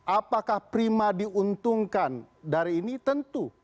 apakah prima diuntungkan dari ini tentu